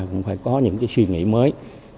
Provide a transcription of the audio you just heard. cũng phải có những cái suy nghĩ mới